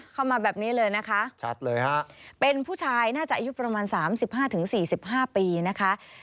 เข้ามาแบบนี้เลยนะคะชัดเลยฮะเป็นผู้ชายน่าจะอายุประมาณ๓๕๔๕ปีนะคะ